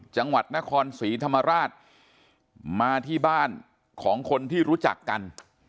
จังหวัดนครศรีธรรมราชมาที่บ้านของคนที่รู้จักกัน